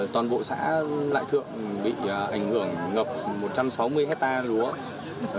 toàn bộ xã lại thượng bị ảnh hưởng ngập một trăm sáu mươi hectare lúa